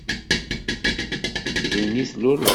Din i tluleḍ?